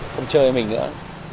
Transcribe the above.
không chơi với mình nữa